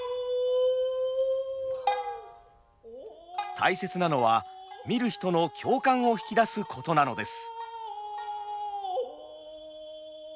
大切なのは見る人の共感を引き出すことなのです。